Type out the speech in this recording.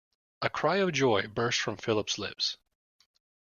A cry of joy burst from Philip's lips.